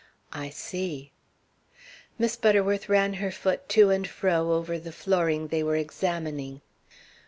"I see." Miss Butterworth ran her foot to and fro over the flooring they were examining.